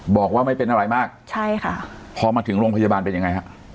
บอกว่าไม่เป็นอะไรมากใช่ค่ะพอมาถึงโรงพยาบาลเป็นยังไงฮะ